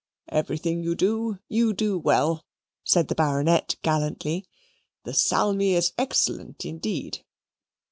"Everything you do, you do well," said the Baronet gallantly. "The salmi is excellent indeed."